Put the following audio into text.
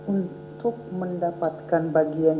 untuk mendapatkan bagian